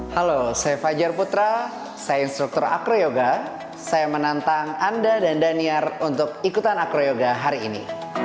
halo saya fajar putra saya instruktur akroyoga saya menantang anda dan daniar untuk ikutan acroyoga hari ini